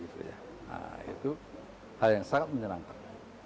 nah itu hal yang sangat menyenangkan